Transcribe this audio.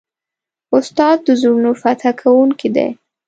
استاد د زړونو فتح کوونکی دی.